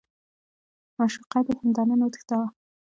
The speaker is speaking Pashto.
معشوقه دې همدا نن وتښتوه.